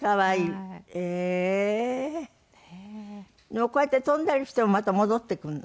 でもこうやって飛んだりしてもまた戻ってくるの？